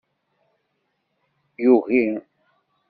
Yugi.